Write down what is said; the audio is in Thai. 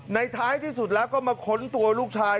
ท้ายที่สุดแล้วก็มาค้นตัวลูกชาย